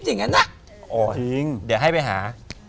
อย่างเงี้ยโอ้ยเดี๋ยวให้ไปหา